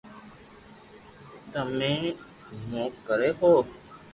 تمي گمو ڪوي ھو